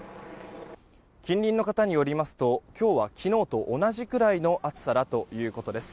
近隣の方によりますと今日は昨日と同じくらいの暑さだということです。